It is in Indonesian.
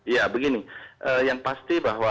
ya begini yang pasti bahwa